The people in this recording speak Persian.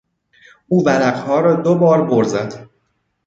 او ورقها را دوبار بر زد.